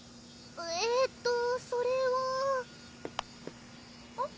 えーっとそれはえっ？